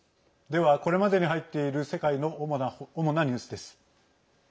では、これまでに入っている世界の主なニュースです。